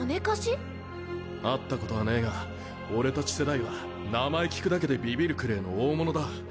会ったことはねえが俺たち世代は名前聞くだけでビビるくれぇの大物だ。